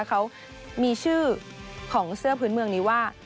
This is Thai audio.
เขามีชื่อของเสื้อพื้นเมืองนี้ว่า